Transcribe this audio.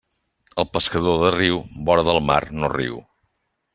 El pescador de riu, vora del mar no riu.